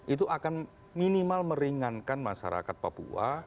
itu akan minimal meringankan masyarakat papua